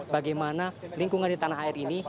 bagaimana lingkungan di tanah air ini